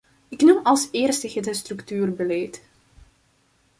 Ik noem als eerste het structuurbeleid.